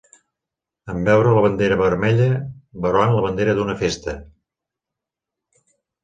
En veure la bandera vermella, veuran la bandera d'una festa!